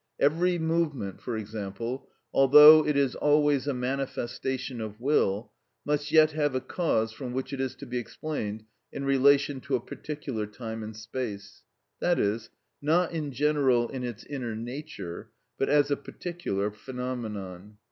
Every movement, for example, although it is always a manifestation of will, must yet have a cause from which it is to be explained in relation to a particular time and space; that is, not in general in its inner nature, but as a particular phenomenon.